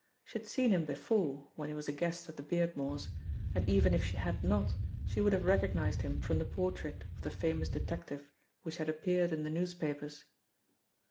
She had seen him before, when he was a guest of the Beardmores, and even if she had not, she would have recognised him from the portrait of the famous detective which had appeared in the newspapers.